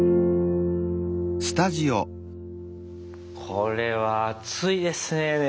これは熱いですね